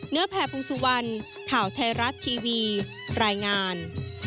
เนื้อแผ่พรุงสุวรรณข่าวไทยรัตน์ทีวีรายงาน